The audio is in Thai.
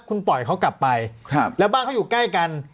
คุณปล่อยเขากลับไปครับแล้วบ้านเขาอยู่ใกล้กัน